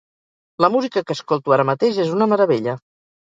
La música que escolto ara mateix és una meravella.